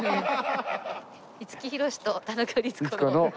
「五木ひろしと田中律子の」。